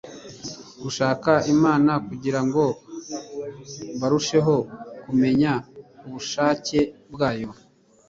gushaka imana kugira ngo barusheho kumenya ubushake bwayo